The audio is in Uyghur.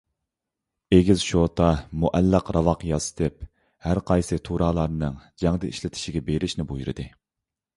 ئېگىز شوتا، مۇئەللەق راۋاق ياسىتىپ، ھەرقايسى تۇرالارنىڭ جەڭدە ئىشلىتىشىگە بېرىشنى بۇيرۇدى.